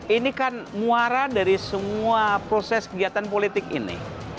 ini kan muara dari semua proses kegiatan politik ini